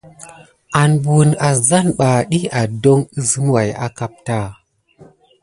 An buwune azzane ɓà, ɗiy adoŋ əzem way ama kapta.